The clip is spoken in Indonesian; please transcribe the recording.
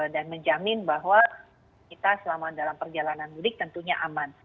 dan menjamin bahwa kita selama dalam perjalanan mudik tentunya aman